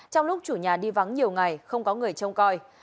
trong lúc chủ nhà đi vắng nhiều ngày không có người trông coi